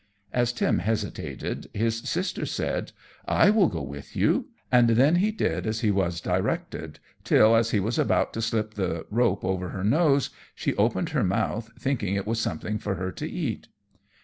As Tim hesitated, his Sister said, "I will go with you;" and then he did as he was directed, till, as he was about to slip the rope over her nose, she opened her mouth, thinking it was something for her to eat.